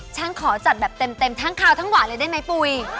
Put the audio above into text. ฉันขอจัดแบบเต็มทั้งคาวทั้งหวานเลยได้ไหมปุ๋ย